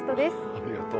ありがとう。